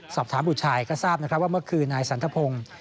สอบถามผู้ชายก็ทราบว่าเมื่อคืนนายสันทพงศ์